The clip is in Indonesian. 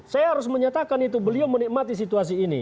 saya harus menyatakan itu beliau menikmati situasi ini